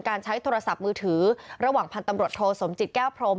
ใช้โทรศัพท์มือถือระหว่างพันธ์ตำรวจโทสมจิตแก้วพรม